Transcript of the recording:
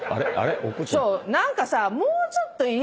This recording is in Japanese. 何かさ。